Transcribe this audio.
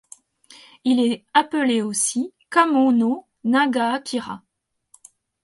Il est appelé aussi Kamo no Nagaakira.